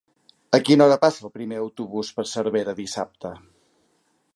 A quina hora passa el primer autobús per Cervera dissabte?